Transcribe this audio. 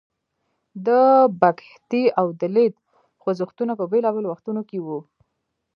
د بکهتي او دلیت خوځښتونه په بیلابیلو وختونو کې وو.